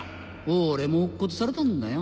俺も落っことされたんだよ。